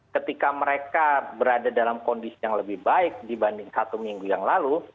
ketika mereka berada dalam kondisi yang lebih baik dibanding satu minggu yang lalu